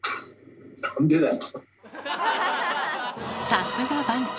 さすが番長！